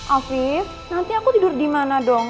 afif nanti aku tidur dimana dong